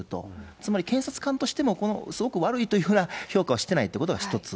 つまり検察官としても、すごく悪いというような評価をしてないってことが１つ。